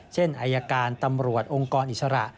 เช่นอายการตำรวจองค์กรอิสระ